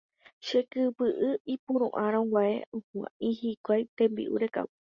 Chekypy'y ipuru'ãrõguare ohua'ĩ hikuái tembi'u rekávo.